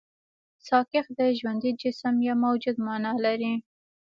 ساکښ د ژوندي جسم يا موجود مانا لري.